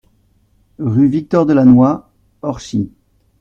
Rue Victor Delannoy, Orchies